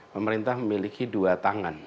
pemerintah memiliki dua tangan